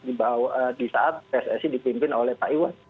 di saat pssi dipimpin oleh pak iwan